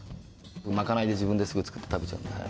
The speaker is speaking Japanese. まかないで自分ですぐ作って食べちゃうんで。